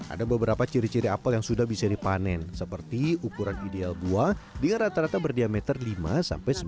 ada beberapa ciri ciri apel yang sudah bisa dipanen seperti ukuran ideal buah buah air dan buah air yang berbeda dengan apel yang sudah dipanen